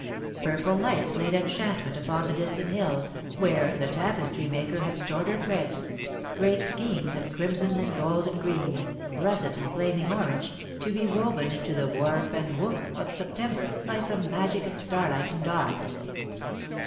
Purple lights laid enchantment upon the distant hills, where the Tapestry Maker had stored her threads great skeins of crimson and golden green, russet and flaming orange, to be woven into the warp and woof of September by some magic of starlight and dawn.